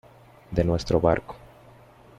de nuestro barco.